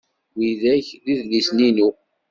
Widak d idlisen-inu.